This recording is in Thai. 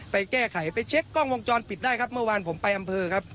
ไปแก้ไขไปเช็คกล้องวงจรปิดได้ครับเมื่อวานผมไปอำเภอครับ